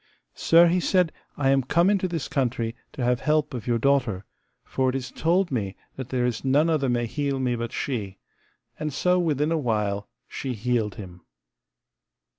Sir, he said, I am come into this country to have help of your daughter, for it is told me that there is none other may heal me but she; and so within a while she healed him.